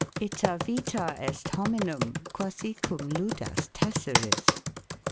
Ita vita est bominum, quasi quum ludas tesseris.